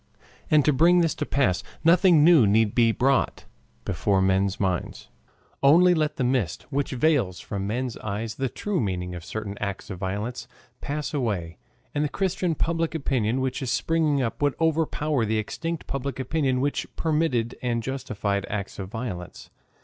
And to bring this to pass, nothing new need be brought before men's minds. Only let the mist, which veils from men's eyes the true meaning of certain acts of violence, pass away, and the Christian public opinion which is springing up would overpower the extinct public opinion which permitted and justified acts of violence.